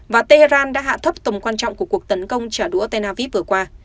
và tehran đã hạ thấp tầm quan trọng của cuộc tấn công trả đũa tenavis vừa qua